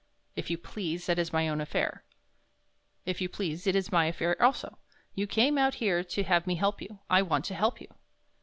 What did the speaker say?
"If you please, that is my own affair." "If you please, it is my affair also. You came out here to have me help you. I want to help you."